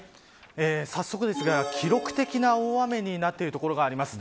早速ですが、記録的な大雨になっている所があります。